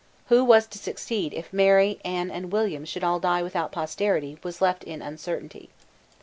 Who was to succeed if Mary, Anne, and William should all die without posterity, was left in uncertainty.